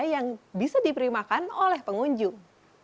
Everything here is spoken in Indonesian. yang bisa diperimakan oleh pengunjung